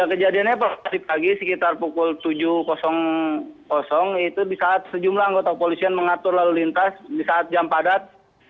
kejadiannya pagi sekitar pukul tujuh itu di saat sejumlah anggota polisian mengatur lalu lintas di saat jam padat